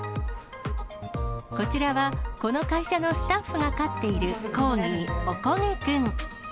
こちらは、この会社のスタッフが飼っているコーギー、おこげくん。